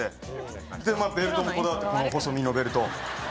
でベルトもこだわってこの細身のベルト。